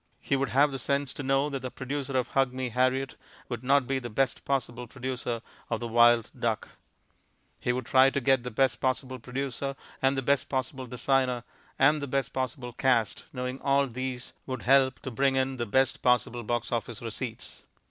He would have the sense to know that the producer of Hug Me, Harriet, would not be the best possible producer of The Wild Duck; he would try to get the best possible producer and the best possible designer and the best possible cast, knowing that all these would help to bring in the best possible box office receipts.